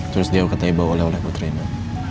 terus dia kata ibu bawa oleh oleh buat rena